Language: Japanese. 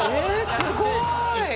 すごい！